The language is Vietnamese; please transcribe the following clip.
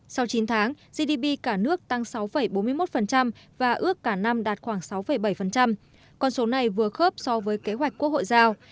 sau chín tháng gdp cả nước tăng sáu bốn mươi một và ước cả năm đạt khoảng sáu bảy con số này vừa khớp so với kế hoạch quốc hội giao